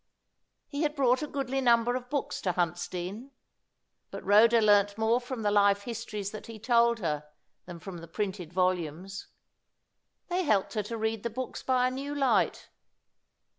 He had brought a goodly number of books to Huntsdean, but Rhoda learnt more from the life histories that he told her than from the printed volumes. They helped her to read the books by a new light.